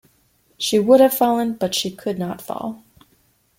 She would have fallen, but she could not fall.